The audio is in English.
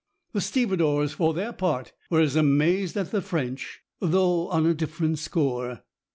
The stevedores, for their part, were as amazed as the French, though on a different score.